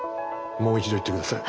もう一度言って下さい。